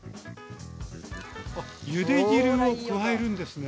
あっゆで汁を加えるんですね？